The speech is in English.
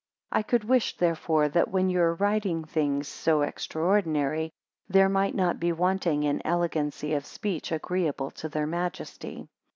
3 I could wish therefore, that when you are writing things so extraordinary, there might not be wanting an elegancy of speech agreeable to their majesty.